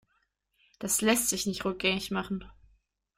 Das lässt sich nicht rückgängig machen.